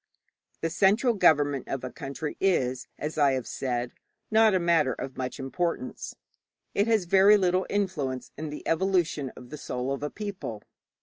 The central government of a country is, as I have said, not a matter of much importance. It has very little influence in the evolution of the soul of a people.